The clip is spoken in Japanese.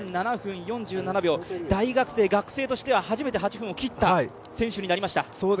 大学生、学生としては初めて８分を切った選手になりました。